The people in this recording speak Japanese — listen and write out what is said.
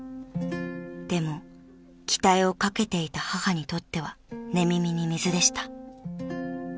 ［でも期待をかけていた母にとっては寝耳に水でした］